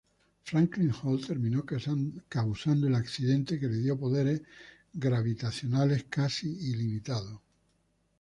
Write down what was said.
Franklin Hall terminó causando el accidente que le dio poderes gravitacionales casi ilimitados.